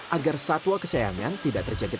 agar satwa kesayangan tidak terjaga